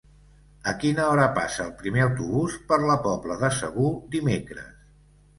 A quina hora passa el primer autobús per la Pobla de Segur dimecres?